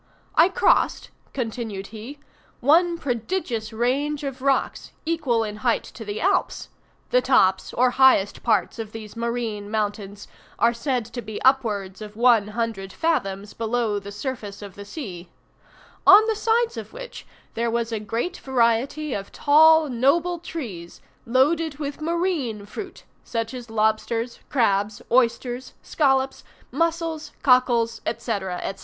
I crossed," continued he, "one prodigious range of rocks, equal in height to the Alps (the tops or highest parts of these marine mountains are said to be upwards of one hundred fathoms below the surface of the sea), on the sides of which there was a great variety of tall, noble trees, loaded with marine fruit, such as lobsters, crabs, oysters, scollops, mussels, cockles, &c. &c.